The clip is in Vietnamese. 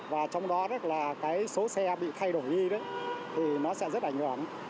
và trong đó số xe bị thay đổi đi thì nó sẽ rất ảnh hưởng